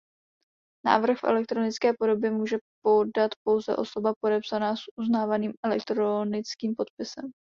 Návrh v elektronické podobě může podat pouze osoba podepsaná s uznávaným elektronickým podpisem.